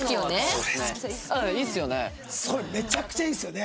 それめちゃくちゃいいっすよね。